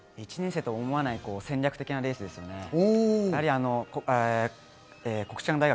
１年生とは思えない戦略的なレースですよね。